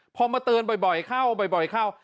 พอมาเตือนบ่อยเข้าบ่อยเข้า